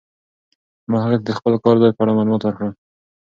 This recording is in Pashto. ما هغې ته د خپل کار ځای په اړه معلومات ورکړل.